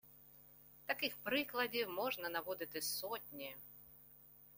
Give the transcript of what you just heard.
Таких прикладів можна наводити сотні